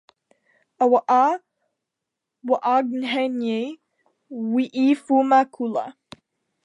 Aw'a w'aghenyi w'efuma kula.